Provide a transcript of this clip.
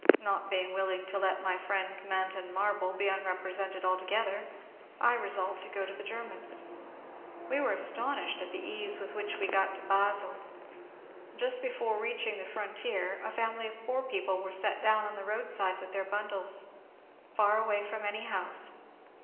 Not being willing to let my friend Manton Marble be unrepresented altogether, I re solved to go to the Germans. We were astonished at the ease with which we got to Basle. Just before reaching the frontier a family of poor people were set down on the roadside with their bundles, far away from any house.